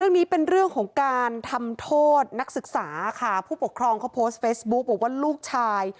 เรื่องนี้เป็นเรื่องของการทำโทษนักศึกษาค่ะผู้ปกครองเขาโพสต์เฟซบุ๊กบอกว่าลูกชาย